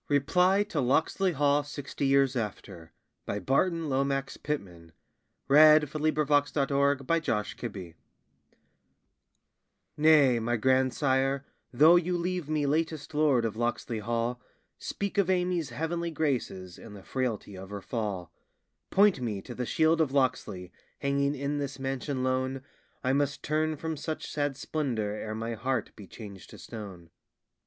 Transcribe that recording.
REPLY TO "LOCKSLEY HALL SIXTY YEARS AFTER." BY BARTON LOMAX PITTMAN. Nay, my grandsire, though you leave me latest lord of Locksley Hall, Speak of Amy's heavenly graces and the frailty of her fall, Point me to the shield of Locksley, hanging in this mansion lone, I must turn from such sad splendor ere my heart be changed to stone.